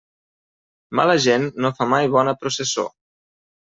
Mala gent no fa mai bona processó.